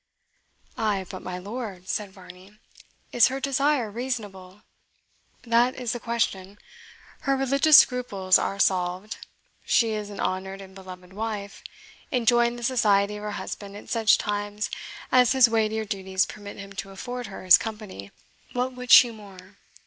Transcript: "Ay, but, my lord," said Varney, "is her desire reasonable? That is the question. Her religious scruples are solved; she is an honoured and beloved wife, enjoying the society of her husband at such times as his weightier duties permit him to afford her his company. What would she more?